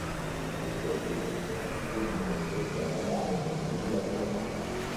Queste repubbliche furono costrette a pagare tributi a Roma.